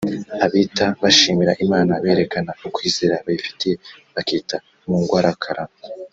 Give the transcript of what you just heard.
” Abita bashimira Imana berekana ukwizera bayifitiye bakita “Mungwarakarama